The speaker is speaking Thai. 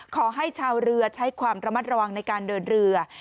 ขอให้ชาวเรือใช้ความระมัดระวังในการเดินเรือ